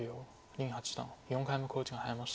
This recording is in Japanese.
林八段４回目の考慮時間に入りました。